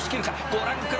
ご覧ください